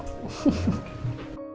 aduh maafin saya pak bos